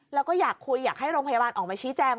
แล้วก็อยากคุยอยากให้โรงพยาบาลออกมาชี้แจง